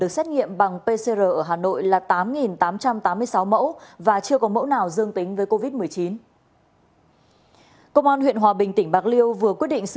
xin chào và hẹn gặp lại